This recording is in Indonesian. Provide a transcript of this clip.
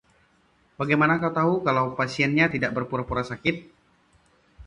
Bagaimana kau tahu kalau pasiennya tidak berpura-pura sakit?